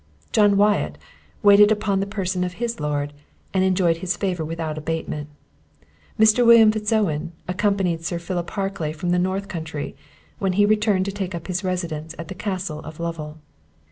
John Wyatt waited upon the person of his lord, and enjoyed his favour without abatement. Mr. William Fitz Owen accompanied Sir Philip Harclay from the north country, when he returned to take up his residence at the Castle of Lovel.